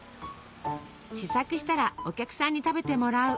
試作したらお客さんに食べてもらう。